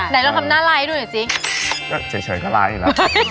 ไหนลองทำหน้าร้ายดูดูดิซิแบบเจ๋ยเฉยก็ร้ายอีกแล้ว